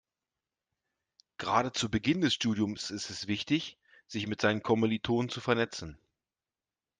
Gerade zu Beginn des Studiums ist es wichtig, sich mit seinen Kommilitonen zu vernetzen.